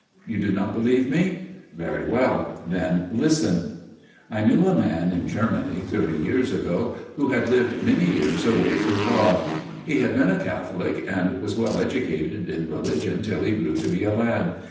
You do not believe me ? Very well ; then listen. " I knew a man in Germany, thirty years ago, who had lived many years away from God. He had been a Catholic, and was well educated in religion till he grew to be a lad.